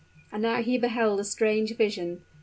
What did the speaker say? And now he beheld a strange vision.